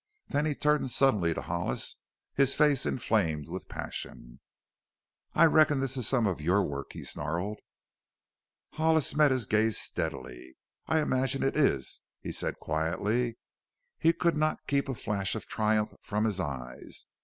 Then he turned suddenly to Hollis, his face inflamed with passion. "I reckon this is some of your work?" he snarled. Hollis met his gaze steadily. "I imagine it is," he said quietly. He could not keep a flash of triumph from his eyes.